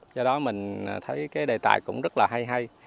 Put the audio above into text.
do đó mình thấy cái đề tài cũng rất là hay hay